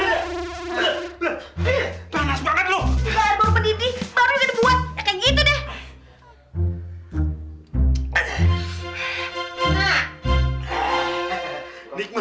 baru baru pendidik baru udah dibuat